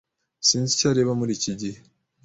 Sinzi icyo areba muri iki gihe